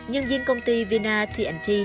nhân viên công ty vina tnt